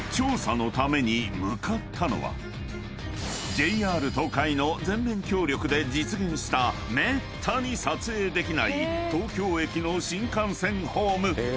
［ＪＲ東海の全面協力で実現しためったに撮影できない東京駅の新幹線ホーム］